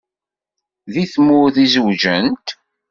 Deg tmurt i zewǧent?